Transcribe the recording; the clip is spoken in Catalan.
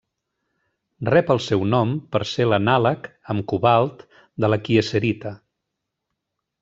Rep el seu nom per ser l'anàleg amb cobalt de la kieserita.